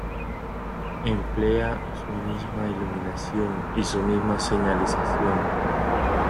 Emplea su misma iluminación y su misma señalización.